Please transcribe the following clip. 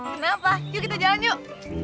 kenapa yuk kita jalan yuk